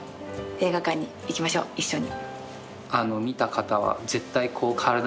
映画館に行きましょう、一緒に。